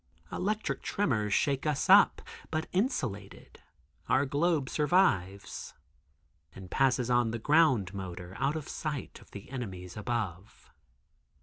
Electric tremors shake us up, but, insulated, our globe survives, and passes on the ground motor out of sight of the enemies above.